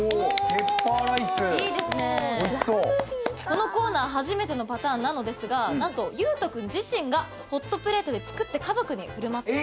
このコーナー初めてのパターンなのですがなんと勇斗君自身がホットプレートで作って家族に振る舞った。